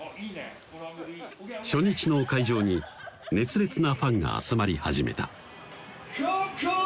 初日の会場に熱烈なファンが集まり始めた・